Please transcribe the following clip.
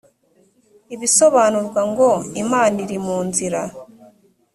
i bisobanurwa ngo imana iri munzira